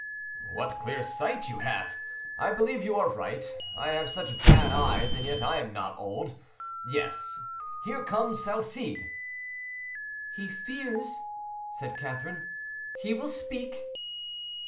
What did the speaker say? "What clear sight you have! I believe you are right. I have such bad eyes, and yet I am not old. Yes, here comes Salcede." "He fears," said Catherine; "he will speak."